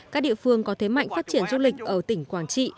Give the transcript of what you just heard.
các địa phương có thế mạnh phát triển du lịch ở tỉnh quảng trị